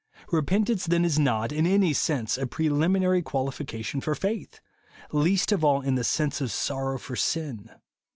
Repentance then is not, in any sense, a preliminary qualification for faith, — least of all in the sense of sorrow for sin.